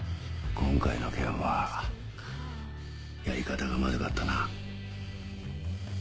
今回の件はやり方がまずかったな。